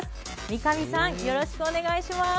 三上さん、よろしくお願いします。